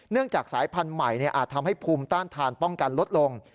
จากสายพันธุ์ใหม่อาจทำให้ภูมิต้านทานป้องกันลดลง